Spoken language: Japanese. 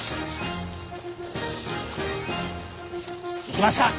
いきました！